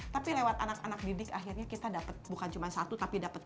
tapi lewat anak anak didik akhirnya kita dapat bukan cuma satu tapi dapat tiga